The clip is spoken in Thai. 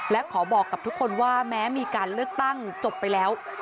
และขอบอกกับทุกคนว่าแม้มีการเลือกตั้งจบไปแล้ว